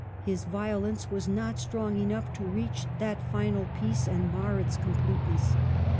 His violence was not strong enough to reach that final peace and mar its completeness.